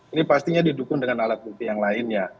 ini pastinya didukung dengan alat bukti yang lain ya